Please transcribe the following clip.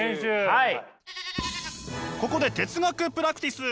はい。